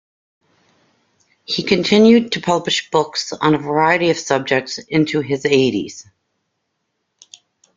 He continued to publish books on a variety of subjects into his eighties.